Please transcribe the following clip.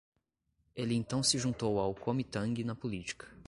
Ele então se juntou ao Kuomintang na política.